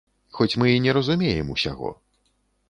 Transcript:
Хоць мы і не разумеем усяго.